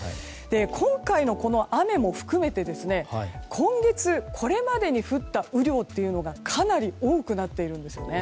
今回の雨も含めて今月、これまでに降った雨量がかなり多くなっているんですね。